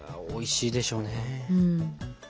おいしいでしょうね。